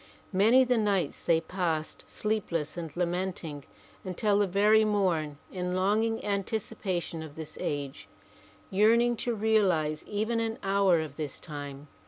Many the nights they passed sleep less and lamenting until the very mom in longing anticipation of this age, yearning to realize even an hour of this time.